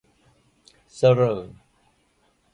เสร่อ